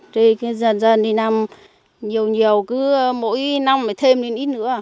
rồi dần dần thì làm nhiều nhiều cứ mỗi năm mới thêm đến ít nữa